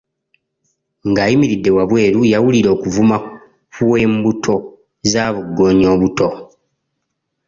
Ng'ayimiridde wabweru, yawulira okuvuuma kw' embuto za bugoonya obuto.